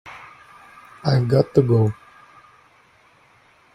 I've got to go.